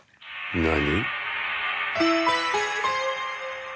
何！？